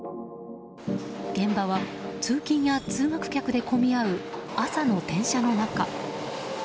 現場は、通勤や通学客で混み合う朝の電車の中。